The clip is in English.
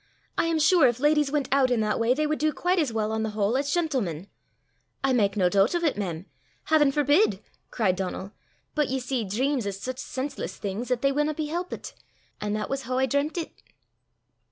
I am sure if ladies went out in that way, they would do quite as well, on the whole, as gentlemen." "I mak nae doobt o' 't, mem: haiven forbid!" cried Donal; "but ye see dreams is sic senseless things 'at they winna be helpit; an' that was hoo I dreemt it."